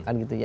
kan gitu ya